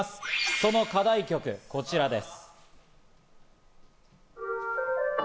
その課題曲、こちらです。